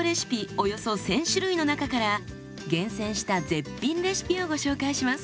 およそ１，０００種類の中から厳選した絶品レシピをご紹介します。